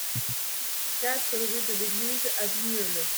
quatre rue de l'Église A Vigneulles